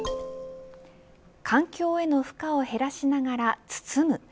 環境への負荷を減らしながら包む。